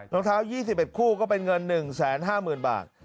รองเท้า๒๑คู่ก็เป็นเงิน๑๕๐๐๐บาท